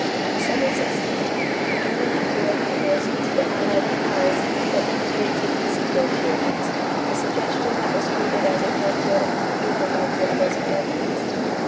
On December 16, the German Emperor proposed to the Allied Powers that they enter into peace negotiations, a suggestion that was treated as a mere political maneuver by the opposing governments.